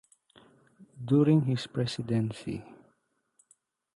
During his presidency.